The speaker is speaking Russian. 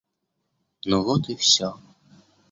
Ну вот и все.